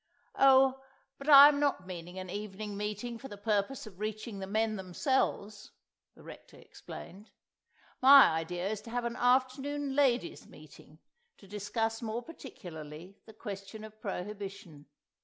"Oh, but I am not meaning an evening meeting for the purpose of reaching the men themselves," the Rector explained. "My idea is to have an afternoon Ladies' Meeting to discuss more particularly the question of prohibition.